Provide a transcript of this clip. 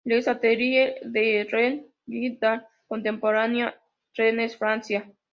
Les ateliers de Rennes, Biennale d'art contemporain, Rennes, Francia.